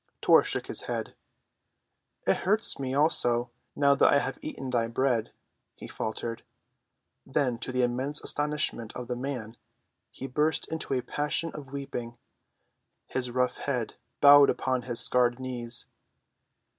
Tor shook his head. "It hurts me, also, now that I have eaten thy bread," he faltered. Then to the immense astonishment of the man, he burst into a passion of weeping, his rough head bowed upon his scarred knees.